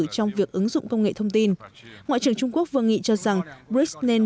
trong việc ứng dụng công nghệ thông tin ngoại trưởng trung quốc vương nghị cho rằng brics nên